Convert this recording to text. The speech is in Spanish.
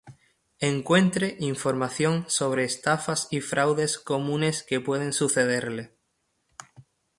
Encuentre información sobre estafas y fraudes comunes que pueden sucederle.